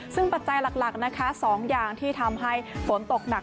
ซึ่งปัจจัยหลักนะคะ๒อย่างที่ทำให้ฝนตกหนัก